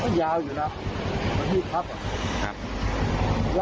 มันยาวอยู่นะที่ภักด์